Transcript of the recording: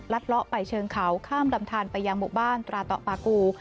เลาะไปเชิงเขาข้ามลำทานไปยังหมู่บ้านตราต่อปากู